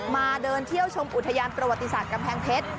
มาเดินเที่ยวชมอุทยานประวัติศาสตร์กำแพงเพชร